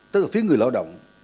tức là phía người lao động